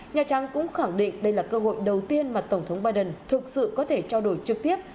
nhà trắng cũng khẳng định đây là cơ hội đầu tiên mà tổng thống biden thực sự có thể trao đổi trực tiếp